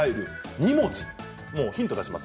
２文字ヒントを出します。